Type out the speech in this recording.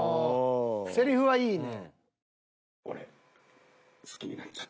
セリフはいいね。